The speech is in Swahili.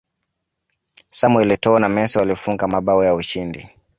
samuel etoo na messi walifunga mabao ya ushindi